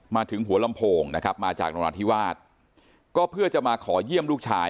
มาถึงหัวลำโพงนะครับมาจากนราธิวาสก็เพื่อจะมาขอเยี่ยมลูกชาย